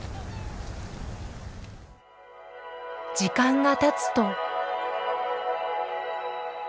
時間がたつと。